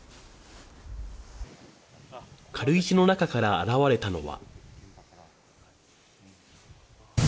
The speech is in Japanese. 軽石の中から現れたのは。